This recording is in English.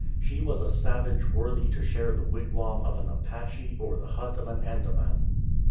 She was a savage worthy to share the wigwam of an Apache or the hut of an Andaman.